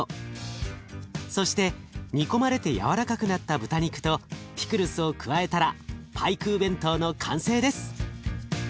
そして煮込まれてやわらかくなった豚肉とピクルスを加えたらパイクー弁当の完成です。